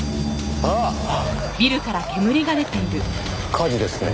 火事ですね。